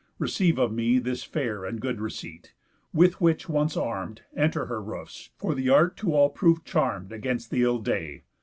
Receive of me This fair and good receipt; with which once arm'd, Enter her roofs, for th' art to all proof charm'd Against the ill day.